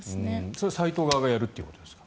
それはサイト側がやるということですか？